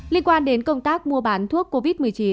liên quan đến công tác mua bán thuốc covid một mươi chín